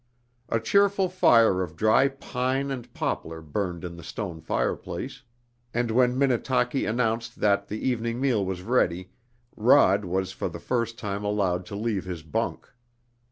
A cheerful fire of dry pine and poplar burned in the stone fireplace, and when Minnetaki announced that the evening meal was ready Rod was for the first time allowed to leave his bunk.